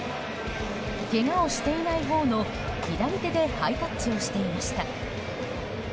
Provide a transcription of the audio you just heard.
けがをしていないほうの左手でハイタッチをしていました。